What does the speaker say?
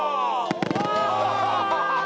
うわ！